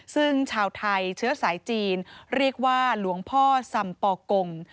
ซึ่งชาวไทยเชื้อสายจีนเรียกว่าหลวงพ่อสัมปอกง